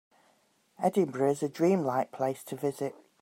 Edinburgh is a dream-like place to visit.